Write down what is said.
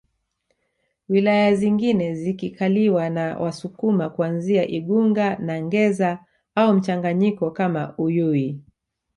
wilaya zingine zikikaliwa na Wasukuma kuanzia Igunga na Nzega au mchanganyiko kama Uyui